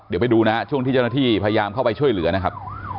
เดี๋ยวไปดูนะฮะช่วงที่เจ้าหน้าที่พยายามเข้าไปช่วยเหลือนะครับ